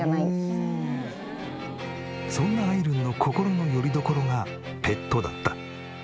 そんなあいるんの心のよりどころがペットだった。